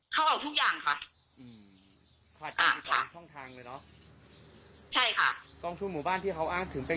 เขาออกทุกอย่างค่ะใช่ค่ะกองทุนหมู่บ้านที่เขาอ้างถึงเป็น